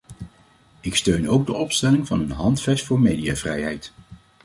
Ik steun ook de opstelling van een handvest voor mediavrijheid.